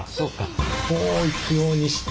こう行くようにして。